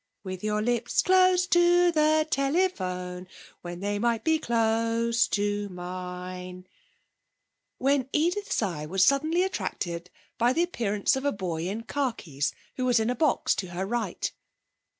With your lips close to the telephone, When they might be close to mine_!' When Edith's eye was suddenly attracted by the appearance of a boy in khakis, who was in a box to her right.